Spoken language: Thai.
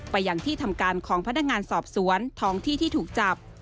ไปอย่างที่ทำการของพนักงานสอบสวนท้องที่ที่ถูกจับ